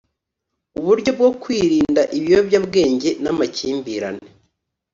uburyo bwo kwirinda ibiyobyabwenge n’amakimbirane